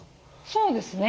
そうですね。